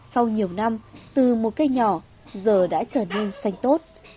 sau nhiều năm từ một cây nhỏ giờ đã trở nên xanh tốt